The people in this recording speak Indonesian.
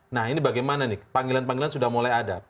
nah ini bagaimana nih panggilan panggilan sudah mulai ada